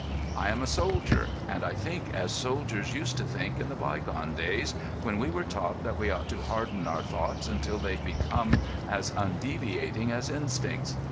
"I am a soldier, and I think as soldiers used to think in the bygone days, when we were taught that we ought to harden our thoughts until they become as undeviating as instincts.